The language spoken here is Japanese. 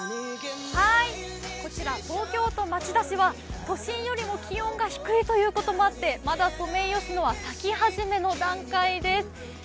こちら東京都町田市は都心より気温が低いということもあってまだソメイヨシノは咲き始めの段階です。